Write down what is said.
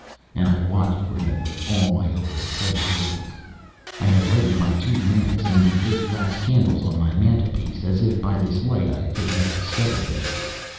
And I watched for him with all my overexcited organs. I had lighted my two lamps and the eight wax candles on my mantelpiece, as if by this light I could have discovered him.